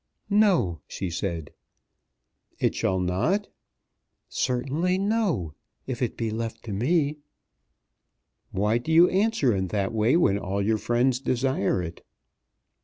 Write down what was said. "No," she said. "It shall not?" "Certainly, no; if it be left to me." "Why do you answer in that way when all your friends desire it?"